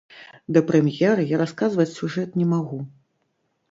Да прэм'еры я расказваць сюжэт не магу.